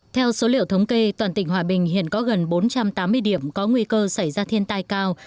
theo số liệu thống kê toàn tỉnh hòa bình hiện có gần bốn trăm tám mươi điểm có nguy cơ xảy ra thiên tai cao